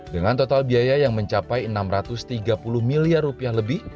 dengan total biaya yang mencapai enam ratus tiga puluh miliar rupiah lebih